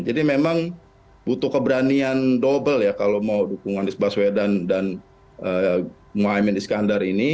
jadi memang butuh keberanian double ya kalau mau dukungan anies baswedan dan muhammad iskandar ini